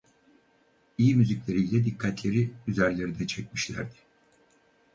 İyi müzikleriyle dikkatleri üzerlerine çekmişlerdi.